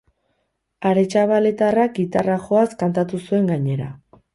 Aretxabaletarrak gitarra joaz kantatu zuen gainera.